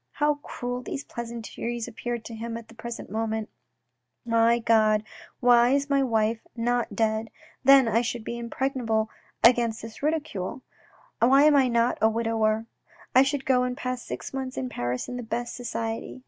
How cruel these pleasantries appeared to him at the present moment !" My God, why is my wife not dead ! then I should be impregnable against ridicule. Why am I not a widower ? I should go and pass six months in Paris in the best society.